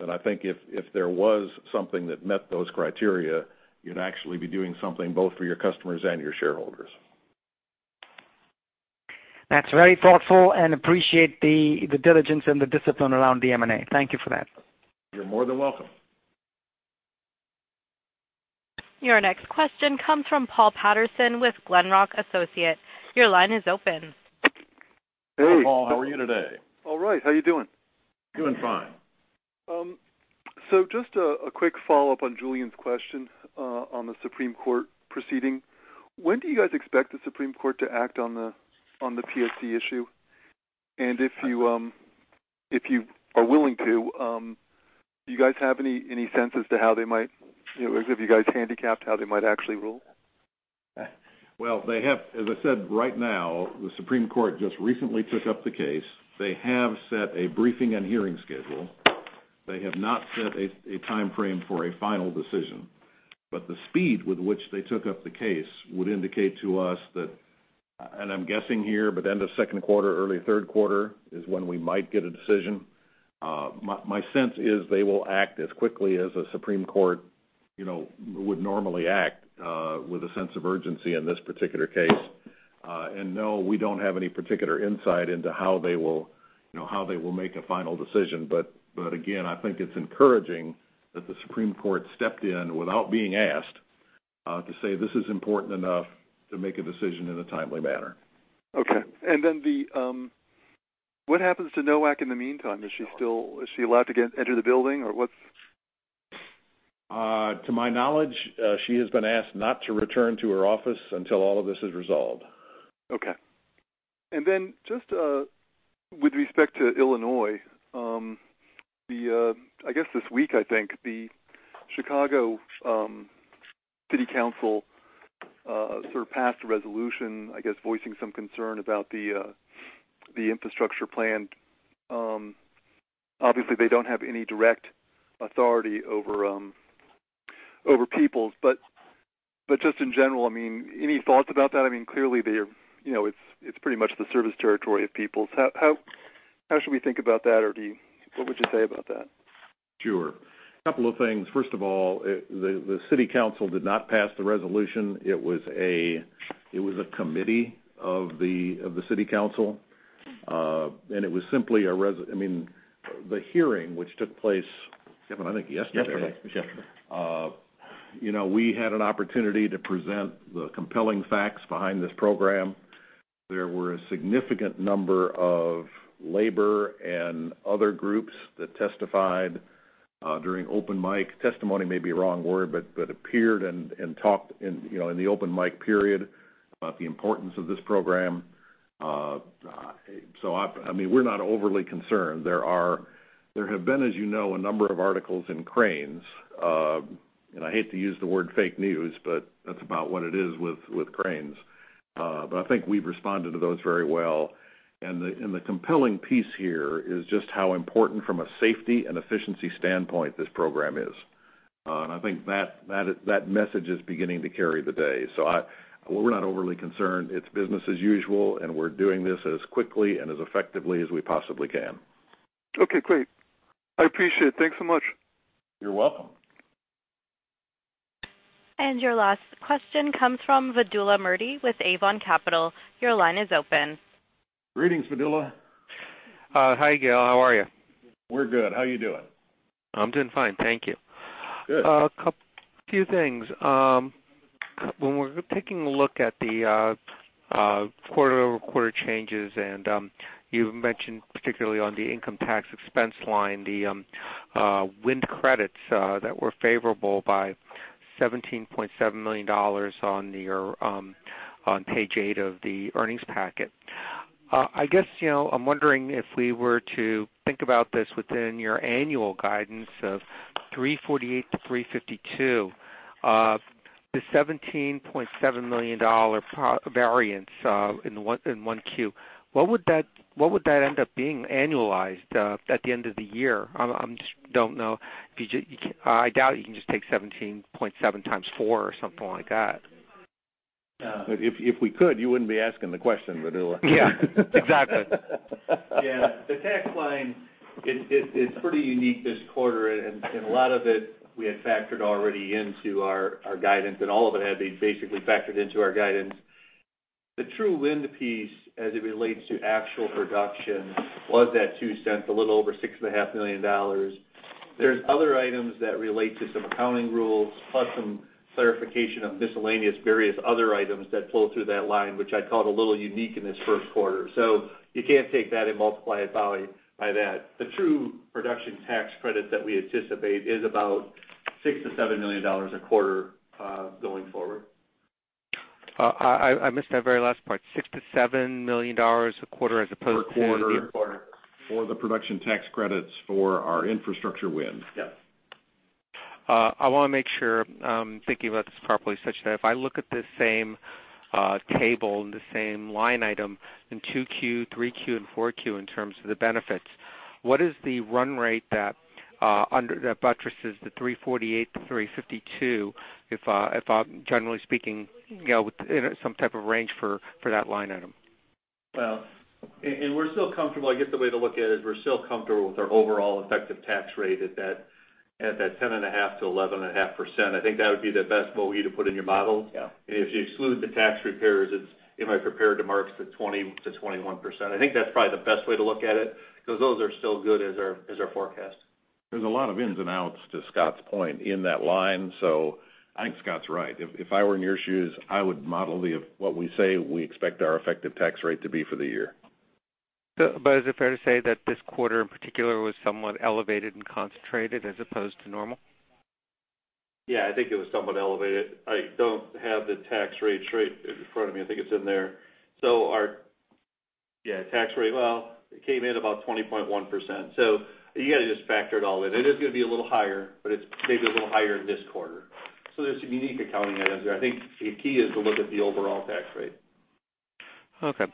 I think if there was something that met those criteria, you'd actually be doing something both for your customers and your shareholders. That's very thoughtful. Appreciate the diligence and the discipline around the M&A. Thank you for that. You're more than welcome. Your next question comes from Paul Patterson with Glenrock Associates. Your line is open. Hey. Hi, Paul. How are you today? All right. How you doing? Doing fine. Just a quick follow-up on Julien's question on the Supreme Court proceeding. When do you guys expect the Supreme Court to act on the PSC issue? If you are willing to, do you guys have any sense as to how they might, have you guys handicapped how they might actually rule? Well, as I said, right now, the Supreme Court just recently took up the case. They have set a briefing and hearing schedule. They have not set a time frame for a final decision. The speed with which they took up the case would indicate to us that, and I'm guessing here, but end of second quarter, early third quarter is when we might get a decision. My sense is they will act as quickly as a Supreme Court would normally act, with a sense of urgency in this particular case. No, we don't have any particular insight into how they will make a final decision. Again, I think it's encouraging that the Supreme Court stepped in without being asked to say this is important enough to make a decision in a timely manner. Okay. Then what happens to Nowak in the meantime? Is she allowed to enter the building or what's? To my knowledge, she has been asked not to return to her office until all of this is resolved. Okay. Then just with respect to Illinois, I guess this week, I think, the Chicago City Council passed a resolution, I guess, voicing some concern about the infrastructure plan. Obviously, they don't have any direct authority over Peoples. Just in general, any thoughts about that? Clearly, it's pretty much the service territory of Peoples. How should we think about that, or what would you say about that? Sure. Couple of things. First of all, the city council did not pass the resolution. It was a committee of the city council. It was simply the hearing, which took place, Kevin, I think yesterday. Yesterday. We had an opportunity to present the compelling facts behind this program. There were a significant number of labor and other groups that testified during open mic. Testimony may be a wrong word, but appeared and talked in the open mic period about the importance of this program. We're not overly concerned. There have been, as you know, a number of articles in Crain's. I hate to use the word fake news, but that's about what it is with Crain's. I think we've responded to those very well. The compelling piece here is just how important from a safety and efficiency standpoint this program is. I think that message is beginning to carry the day. We're not overly concerned. It's business as usual, and we're doing this as quickly and as effectively as we possibly can. Okay, great. I appreciate it. Thanks so much. You're welcome. Your last question comes from Vedula Murti with Avon Capital. Your line is open. Greetings, Vedula. Hi, Gale. How are you? We're good. How you doing? I'm doing fine. Thank you. Good. A few things. When we're taking a look at the quarter-over-quarter changes, you mentioned particularly on the income tax expense line, the wind credits that were favorable by $17.7 million on page eight of the earnings packet. I'm wondering if we were to think about this within your annual guidance of $348-$352, the $17.7 million variance in 1Q, what would that end up being annualized at the end of the year? I doubt you can just take 17.7x4 or something like that. If we could, you wouldn't be asking the question, Vedula. Yeah, exactly. Yeah. The tax line is pretty unique this quarter, and a lot of it we had factored already into our guidance, and all of it had been basically factored into our guidance. The true wind piece, as it relates to actual production, was that $0.02, a little over $6.5 million. There's other items that relate to some accounting rules, plus some clarification of miscellaneous various other items that flow through that line, which I'd call it a little unique in this first quarter. You can't take that and multiply it by that. The true production tax credit that we anticipate is about $6 million-$7 million a quarter going forward. I missed that very last part. $6 million-$7 million a quarter as opposed to- Per quarter. Per quarter. For the production tax credits for our infrastructure wind. Yeah. I want to make sure I'm thinking about this properly, such that if I look at the same table and the same line item in 2Q, 3Q, and 4Q in terms of the benefits, what is the run rate that buttresses the $348-$352, if I'm generally speaking, in some type of range for that line item? Well, I guess the way to look at it, we're still comfortable with our overall effective tax rate at that 10.5%-11.5%. I think that would be the best way to put in your model. Yeah. If you exclude the tax effects, it might prepare to marks to 20%-21%. I think that's probably the best way to look at it, because those are still good as our forecast. There's a lot of ins and outs, to Scott's point, in that line. I think Scott's right. If I were in your shoes, I would model what we say we expect our effective tax rate to be for the year. Is it fair to say that this quarter in particular was somewhat elevated and concentrated as opposed to normal? Yeah, I think it was somewhat elevated. I don't have the tax rates right in front of me. I think it's in there. Our tax rate, well, it came in about 20.1%. You got to just factor it all in. It is going to be a little higher, but it's maybe a little higher this quarter. There's some unique accounting items there. I think the key is to look at the overall tax rate. Okay.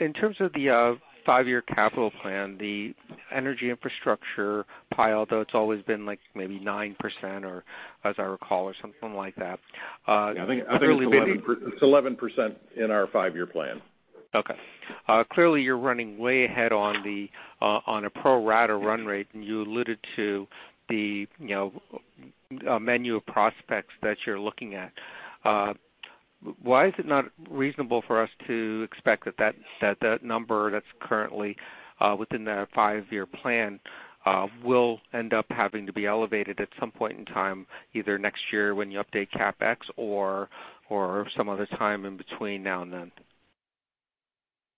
In terms of the five-year capital plan, the energy infrastructure pile, though, it's always been maybe 9%, as I recall, or something like that. I think it's 11% in our five-year plan. Okay. Clearly you're running way ahead on a pro rata run rate. You alluded to the menu of prospects that you're looking at. Why is it not reasonable for us to expect that that number that's currently within the five-year plan will end up having to be elevated at some point in time, either next year when you update CapEx or some other time in between now and then?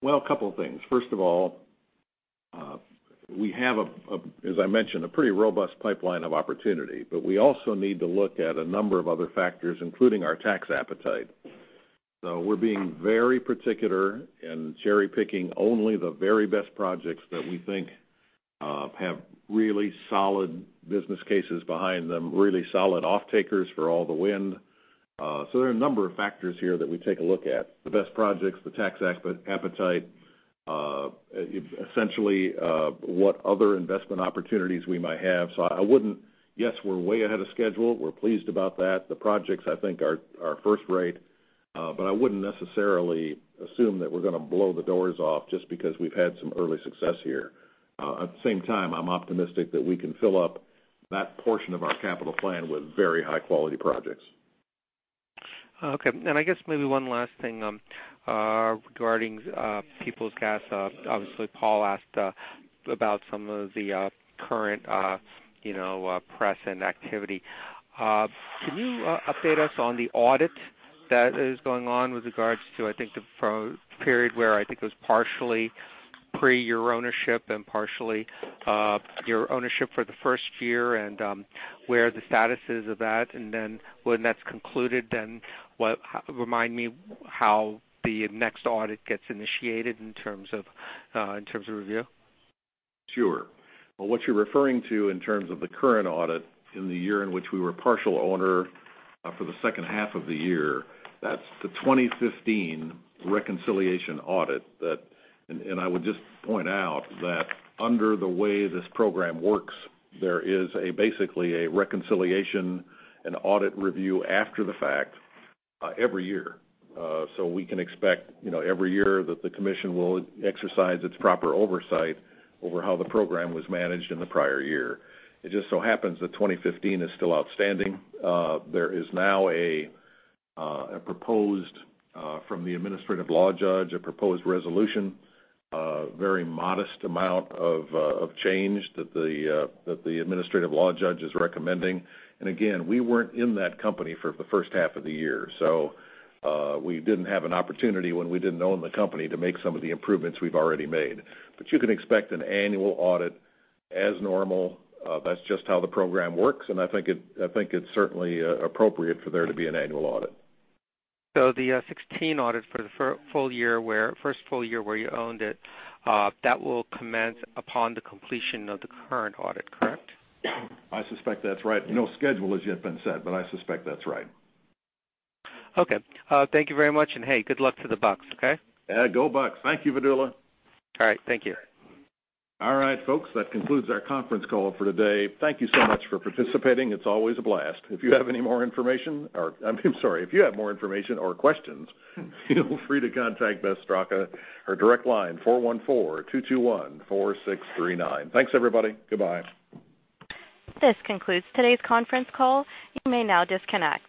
Well, a couple of things. First of all, we have, as I mentioned, a pretty robust pipeline of opportunity. We also need to look at a number of other factors, including our tax appetite. We're being very particular in cherry-picking only the very best projects that we think have really solid business cases behind them, really solid offtakers for all the wind. There are a number of factors here that we take a look at. The best projects, the tax appetite, essentially, what other investment opportunities we might have. Yes, we're way ahead of schedule. We're pleased about that. The projects, I think, are first rate. I wouldn't necessarily assume that we're going to blow the doors off just because we've had some early success here. At the same time, I'm optimistic that we can fill up that portion of our capital plan with very high-quality projects. Okay. I guess maybe one last thing regarding Peoples Gas. Obviously, Paul asked about some of the current press and activity. Can you update us on the audit that is going on with regards to, I think, the period where I think it was partially pre your ownership and partially your ownership for the first year, and where the status is of that? When that's concluded, remind me how the next audit gets initiated in terms of review. Sure. Well, what you're referring to in terms of the current audit in the year in which we were partial owner for the second half of the year, that's the 2015 reconciliation audit. I would just point out that under the way this program works, there is basically a reconciliation and audit review after the fact every year. We can expect every year that the commission will exercise its proper oversight over how the program was managed in the prior year. It just so happens that 2015 is still outstanding. There is now, from the administrative law judge, a proposed resolution, a very modest amount of change that the administrative law judge is recommending. Again, we weren't in that company for the first half of the year, we didn't have an opportunity when we didn't own the company to make some of the improvements we've already made. You can expect an annual audit as normal. That's just how the program works, I think it's certainly appropriate for there to be an annual audit. The 2016 audit for the first full year where you owned it, that will commence upon the completion of the current audit, correct? I suspect that's right. No schedule has yet been set, but I suspect that's right. Okay. Thank you very much. hey, good luck to the Bucks, okay? Yeah, go Bucks. Thank you, Vedula. All right. Thank you. All right, folks, that concludes our conference call for today. Thank you so much for participating. It's always a blast. If you have more information or questions, feel free to contact Beth Straka. Her direct line, 414-221-4639. Thanks, everybody. Goodbye. This concludes today's conference call. You may now disconnect.